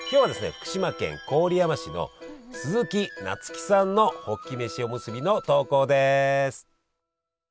福島県郡山市のすずきなつきさんのホッキ飯おむすびの投稿です。